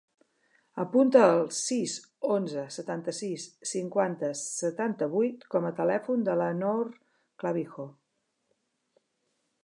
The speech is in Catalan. Apunta el sis, onze, setanta-sis, cinquanta, setanta-vuit com a telèfon de la Noor Clavijo.